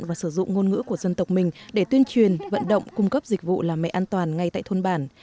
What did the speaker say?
và sử dụng ngôn ngữ của dân tộc mình để tuyên truyền vận động cung cấp dịch vụ làm mẹ an toàn ngay tại thôn bản